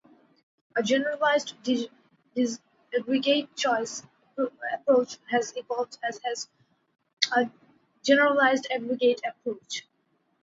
A generalized disaggregate choice approach has evolved as has a generalized aggregate approach.